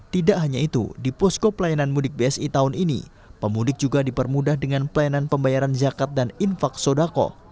tidak hanya itu di posko pelayanan mudik bsi tahun ini pemudik juga dipermudah dengan pelayanan pembayaran zakat dan infak sodako